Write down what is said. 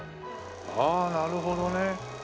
あっなるほどね。